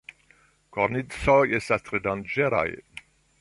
Kornicoj estas tre danĝeraj.